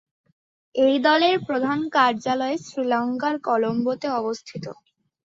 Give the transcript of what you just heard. এই দলের প্রধান কার্যালয় শ্রীলঙ্কার কলম্বোতে অবস্থিত।